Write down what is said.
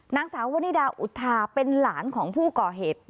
นางสาววนิดาอุทาเป็นหลานของผู้ก่อเหตุ